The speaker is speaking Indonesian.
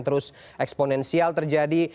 terus eksponensial terjadi